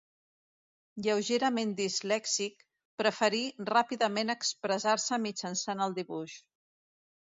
Lleugerament dislèxic, preferí ràpidament expressar-se mitjançant el dibuix.